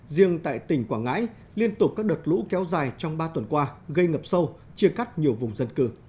riêng tại tỉnh quảng ngãi liên tục các đợt lũ kéo dài trong ba tuần qua gây ngập sâu chia cắt nhiều vùng dân cư